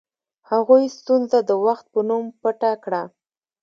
هغوی ستونزه د وخت په نوم پټه کړه.